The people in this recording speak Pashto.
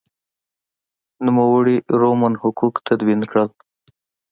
نوموړي رومن حقوق تدوین کړل.